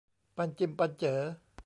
ปั้นจิ้มปั้นเจ๋อ